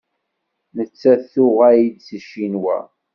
Nettat tuɣal-d seg Ccinwa.